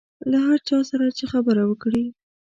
هر چا سره چې خبره وکړې.